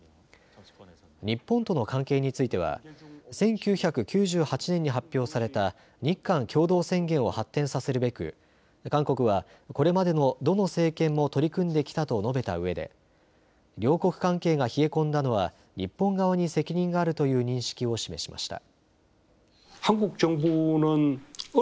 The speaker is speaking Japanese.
日本との関係については１９９８年に発表された日韓共同宣言を発展させるべく韓国はこれまでのどの政権も取り組んできたと述べたうえで両国関係が冷え込んだのは日本側に責任があるという認識を示しました。